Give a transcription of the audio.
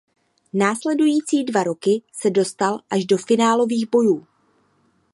Následující dva roky se dostal až do finálových bojů.